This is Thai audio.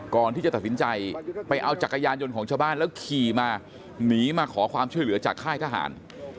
ก่อนที่จะตัดสินใจไปเอาจักรยานยนต์ของชาวบ้านแล้วขี่มาหนีมาขอความช่วยเหลือจากค่ายทหาร